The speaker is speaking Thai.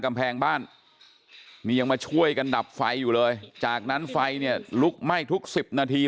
กำแพงบ้านนี่ยังมาช่วยกันดับไฟอยู่เลยจากนั้นไฟเนี่ยลุกไหม้ทุกสิบนาที